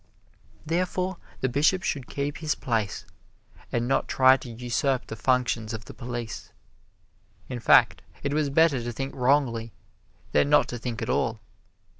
Therefore, the Bishop should keep his place, and not try to usurp the functions of the police. In fact, it was better to think wrongly than not to think at all.